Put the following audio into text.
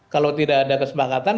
kalau tidak ada kesepakatan